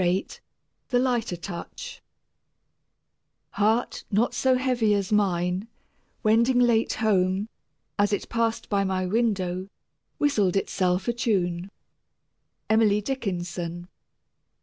VIII THE LIGHTER TOUCH Heart not so heavy as mine, Wending late home, As it passed my window Whistled itself a tune. EMILY DICKINSON.